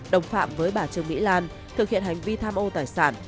đồng phạm với bà trương mỹ lan thực hiện hành vi tham ô tài sản